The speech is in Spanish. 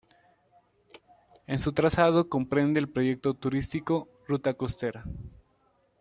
En su trazado, comprende el Proyecto Turístico "Ruta Costera".